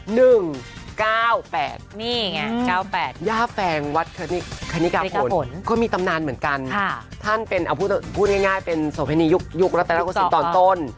หนึ่งเก้าแปดยาแฟงวัดเคนิกาผลก็มีตำนานเหมือนกันท่านเป็นเอาพูดง่ายเป็นโสภินียุคแล้วแต่ละครสินตอนต้น